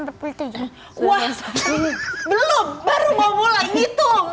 belum baru mau mulai ngitung